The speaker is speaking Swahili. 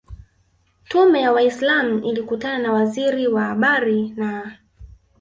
Tume ya waislamu ilikutana na Waziri wa Habari na